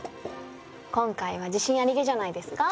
今回は自信ありげじゃないですか？